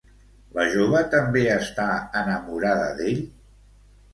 La jove també està enamorada d'ell?